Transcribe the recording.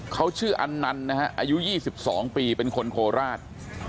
เขาชื่ออันนันนะฮะอายุ๒๒ปีเป็นคนโคราช